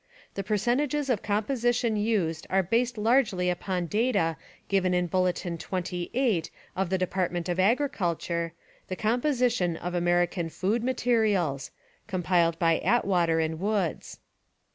The percentages of composition used are based largely upon data given in Bulletin 28 of the Department of Agriculture, "The Composition of American Food Materials," compiled by Atwater and Woods.